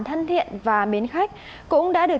thân thiện và mến khách cũng đã được